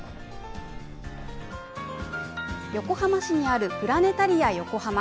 横浜市にあるプラネタリアヨコハマ。